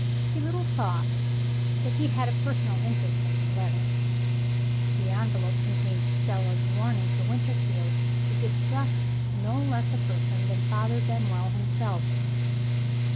He little thought that he had a personal interest in the letter. The envelope contained Stella's warning to Winterfield to distrust no less a person than Father Benwell himself!